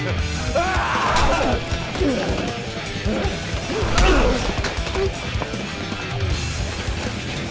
ああっ！